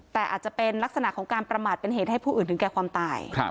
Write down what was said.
แต่อาจจะเป็นลักษณะของการประมาทเป็นเหตุให้ผู้อื่นถึงแก่ความตาย